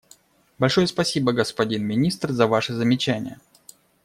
Большое спасибо, господин Министр, за Ваши замечания.